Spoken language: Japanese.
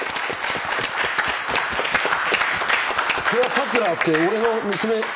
「さくら」って俺の。